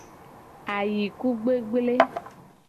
Ayikugbegble.